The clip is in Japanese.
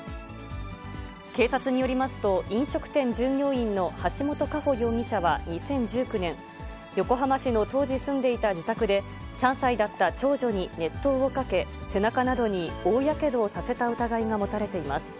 警察によりますと、飲食店従業員の橋本佳歩容疑者は２０１９年、横浜市の当時住んでいた自宅で、３歳だった長女に熱湯をかけ、背中などに大やけどをさせた疑いが持たれています。